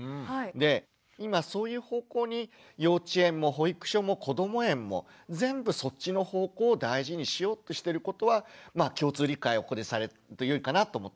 で今そういう方向に幼稚園も保育所もこども園も全部そっちの方向を大事にしようとしてることはまあ共通理解をここでされるとよいかなと思っています。